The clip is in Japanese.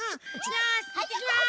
よしいってきます！